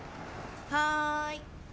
はい。